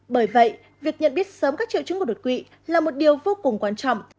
bởi vậy việc nhận biết sớm các triệu chứng của đột quỵ là một điều vô cùng quan trọng